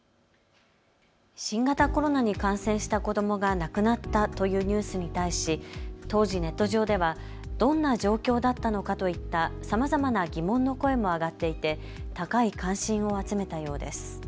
新型コロナに感染した子どもが亡くなったというニュースに対し当時、ネット上ではどんな状況だったのかといったさまざまな疑問の声も上がっていて高い関心を集めたようです。